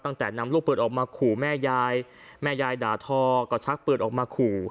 ตั้งแต่นำลูกปืนออกมาขู่แม่ยายแม่ยายด่าทอก็ชักปืนออกมาขู่